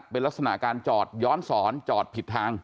เป็นลักษณะการจอดย้อนสอนจอดผิดทาง